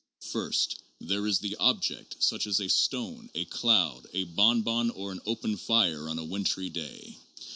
First, there is the object such as a stone, a cloud, a bon bon, or an open fire on a wintry day.